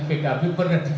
pak kiai pernah di pkb